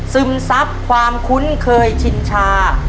ซึมซับความคุ้นเคยชินชา